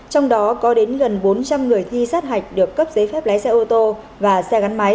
trong đó có đến gần bốn trăm linh người thi sát hạch được cấp giấy phép lái xe ô tô và xe gắn máy